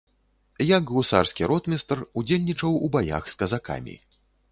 Як гусарскі ротмістр удзельнічаў у баях з казакамі.